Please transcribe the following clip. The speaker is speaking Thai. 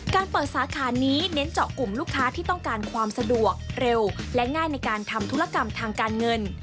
การเปิดสาขานี้เน้นเจาะกลุ่มลูกค้าที่ต้องการความสะดวกเร็วและง่ายในการทำธุรกรรมทางการเงิน